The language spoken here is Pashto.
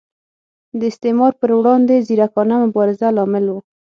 د استعمار پر وړاندې ځیرکانه مبارزه لامل و.